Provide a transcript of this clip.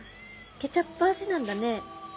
ケチャップ味なんだね。